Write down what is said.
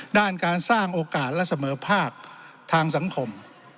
ด้านการสร้างโอกาสและเสมอภาคทางสังคม